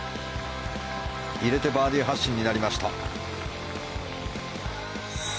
入れてバーディー発進になりました。